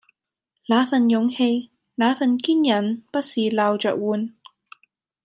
那份勇氣、那份堅忍不是鬧著玩